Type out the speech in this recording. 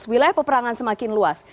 wilayah peperangan semakin luas